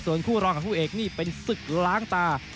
ส่วนคู่รองกับคู่เอกนี่เป็นศึกล้างตา